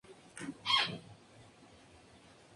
En el mismo año estreno en el Paseo la Plaza Que Vida de M...